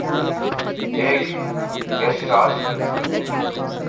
ایک ’یش راج فلمز‘ کی نئی